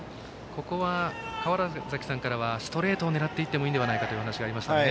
ここは、川原崎さんからはストレートを狙っていってもいいのではないかというお話がありましたね。